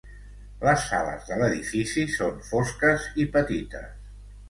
Les sales de l'edifici són fosques i petites.